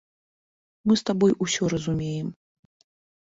Мы з табой усё разумеем.